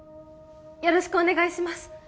よろしくお願いします